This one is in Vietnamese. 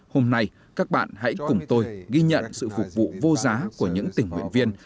hôm nay các bạn hãy cùng tôi ghi nhận sự phục vụ vô giá của những tình nguyện viên